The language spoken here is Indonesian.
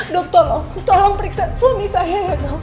dok tolong tolong periksa suami saya ya dok